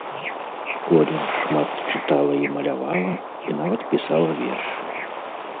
Колін шмат чытала і малявала, і нават пісала вершы.